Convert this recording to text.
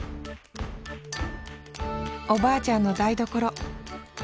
おばあちゃんの台所。